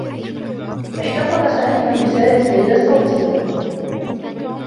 احتفظ سامي برسالة ليلى الصّوتيّة.